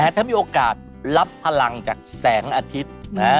ถ้ามีโอกาสรับพลังจากแสงอาทิตย์